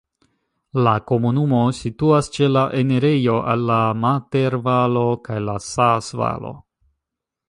La komunumo situas ĉe la enirejo al la Mater-Valo kaj la Saas-Valo.